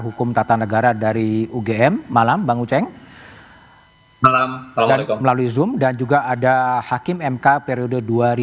hukum tata negara dari ugm malam bang uceng dan melalui zoom dan juga ada hakim mk periode dua ribu dua puluh